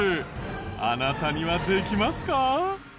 あなたにはできますか？